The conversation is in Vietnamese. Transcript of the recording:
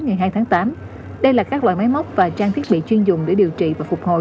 ngày hai tháng tám đây là các loại máy móc và trang thiết bị chuyên dùng để điều trị và phục hồi